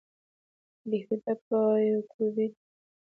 بې هوده پایکوبي ده.